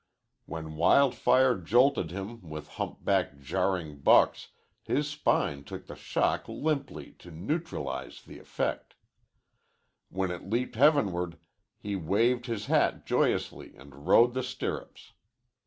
When Wild Fire jolted him with humpbacked jarring bucks his spine took the shock limply to neutralize the effect. When it leaped heavenward he waved his hat joyously and rode the stirrups.